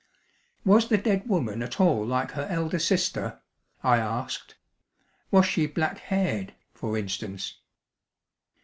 "Was the dead woman at all like her elder sister?" I asked. "Was she black haired, for instance?"